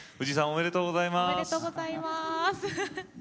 おめでとうございます。